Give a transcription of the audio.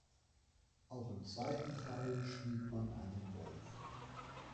Auch im zweiten Teil spielt man einen Wolf.